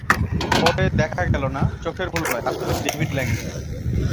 পরে দেখা গেল-না, চোখের ভুল নয়, আসলেই ডেভিড ল্যাংম্যান।